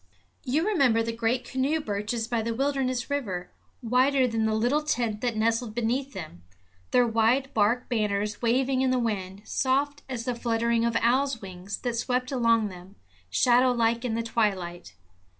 You remember the great canoe birches by the wilderness river, whiter than the little tent that nestled beneath them, their wide bark banners waving in the wind, soft as the flutter of owls' wings that swept among them, shadow like, in the twilight.